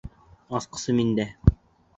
Асҡысы миндә.